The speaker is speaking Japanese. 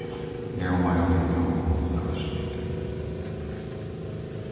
でお前は別の方法を探している。